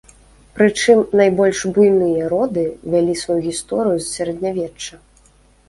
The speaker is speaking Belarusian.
Прычым, найбольш буйныя роды вялі сваю гісторыю з сярэднявечча.